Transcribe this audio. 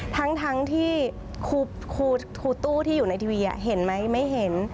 ทั้งที่ครูตู้ที่อยู่ในทีวีเห็นไหมไม่เห็น